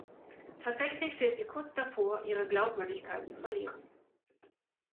Tatsächlich steht sie kurz davor, ihre Glaubwürdigkeit zu verlieren.